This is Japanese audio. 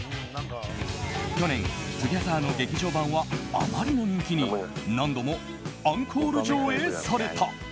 去年「２ｇｅｔｈｅｒ」の劇場版はあまりの人気に何度もアンコール上映された。